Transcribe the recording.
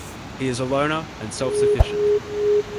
He is a loner and self-sufficient.